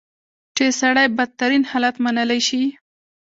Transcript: چې سړی بدترین حالت منلی شي.